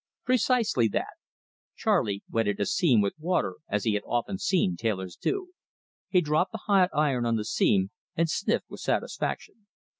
"Precisely that." Charley wetted a seam with water as he had often seen tailors do. He dropped the hot iron on the seam, and sniffed with satisfaction.